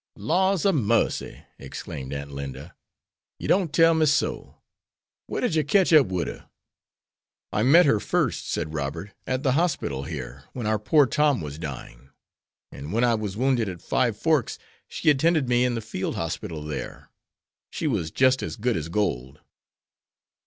"Laws a marcy!" exclaimed Aunt Linda, "yer don't tell me so! Whar did yer ketch up wid her?" "I met her first," said Robert, "at the hospital here, when our poor Tom was dying; and when I was wounded at Five Forks she attended me in the field hospital there. She was just as good as gold."